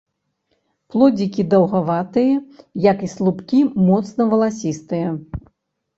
Плодзікі даўгаватыя, як і слупкі моцна валасістыя.